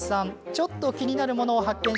ちょっと気になるものを発見。